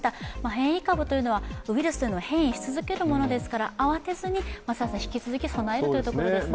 変異株というのは、ウイルスというのは変異し続けるものですから、慌てずに引き続き備えるというところですね。